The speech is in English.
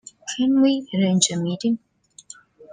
Can we arrange a meeting?